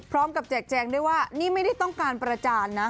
แจกแจงด้วยว่านี่ไม่ได้ต้องการประจานนะ